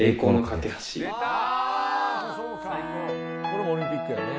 これもオリンピックやね。